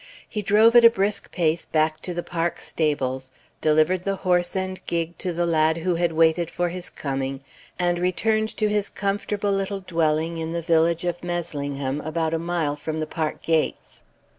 He drove at a brisk pace back to the Park stables, delivered the horse and gig to the lad who had waited for his coming, and returned to his comfortable little dwelling in the village of Meslingham, about a mile from the Park gates.